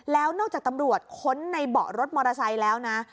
แล้วนอกจากตำรวจค้นในเบาะรถมอเตอร์ไซค์แล้วนะ